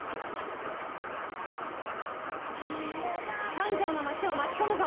三条の町を巻き込むぞ。